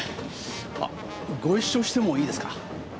あっご一緒してもいいですか？